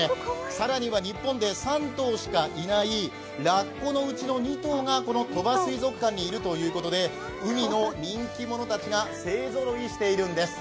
更には日本で３頭しかいないラッコのうちの２頭がこの鳥羽水族館にいるということで海の人気者たちが勢ぞろいしているんです。